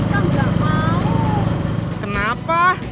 kalau kakak tisna ngajak